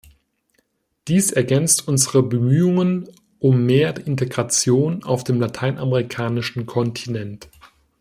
Dies ergänzt unsere Bemühungen um mehr Integration auf dem lateinamerikanischen Kontinent.